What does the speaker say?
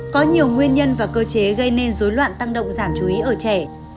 có nhiều nguyên nhân và cơ chế gây nên dối loạn tăng động giảm chú ý ở trẻ